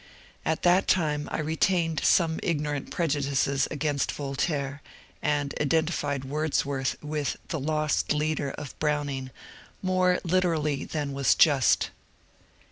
At that time I retained some ignorant preju dices against Voltaire, and identified Wordsworth with " The Lost Leader" of Browning more literally than was just.